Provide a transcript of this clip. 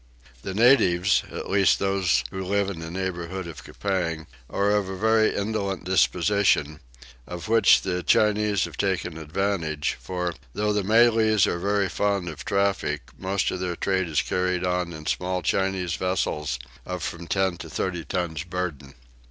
The natives, at least those who live in the neighbourhood of Coupang, are of a very indolent disposition, of which the Chinese have taken advantage, for, though the Malays are very fond of traffic, most of their trade is carried on in small Chinese vessels of from 10 to 30 tons burden.